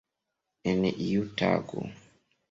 En iu tago.